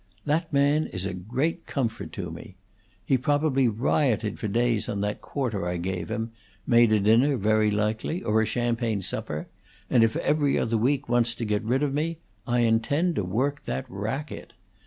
That man is a great comfort to me. He probably rioted for days on that quarter I gave him; made a dinner very likely, or a champagne supper; and if 'Every Other Week' wants to get rid of me, I intend to work that racket.